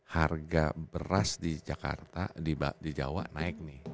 harga beras di jakarta di jawa naik nih